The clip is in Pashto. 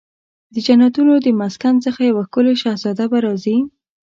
د جنتونو د مسکن څخه یو ښکلې شهزاده به راځي